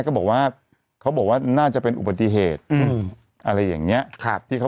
ก็บอกว่าเขาบอกว่าน่าจะเป็นอุบัติเหตุอืมอะไรอย่างเงี้ยครับที่เขา